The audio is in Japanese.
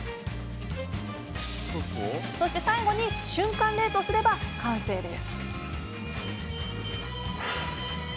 最後に、瞬間冷凍すれば完成です。